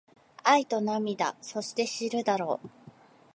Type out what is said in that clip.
愛と涙そして知るだろう